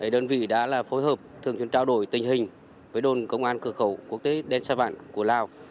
đơn vị đã phối hợp thường chuyên trao đổi tình hình với đồn công an cửa khẩu quốc tế đen sa vạn của lào